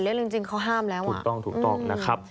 ถูกต้อง